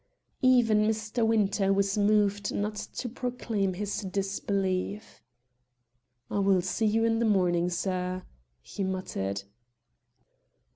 Even Mr. Winter was moved not to proclaim his disbelief. "I will see you in the morning, sir," he muttered.